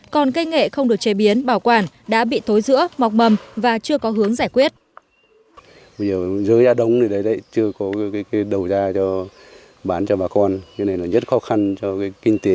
còn cây nghệ không được chế biến bảo quản đã bị tối giữa mọc mầm và chưa có hướng giải quyết